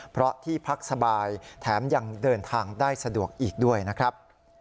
เพราะที่พักสบายแถมยังเดินทางได้สะดวกอีกด้วยนะครับ